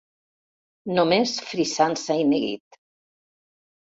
Només frisança i neguit.